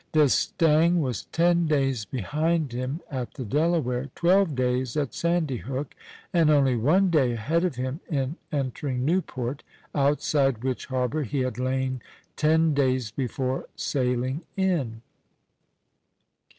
D'Estaing was ten days behind him at the Delaware, twelve days at Sandy Hook, and only one day ahead of him in entering Newport, outside which harbor he had lain ten days before sailing in.